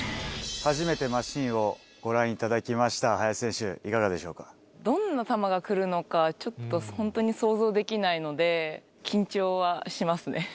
初めてマシンをご覧いただきました、林選手、いかがでしょうどんな球が来るのか、ちょっと本当に想像できないので、緊張はしますね。